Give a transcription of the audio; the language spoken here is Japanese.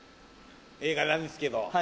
映画なんですけど。